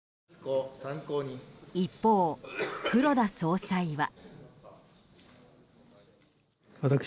一方、黒田総裁は。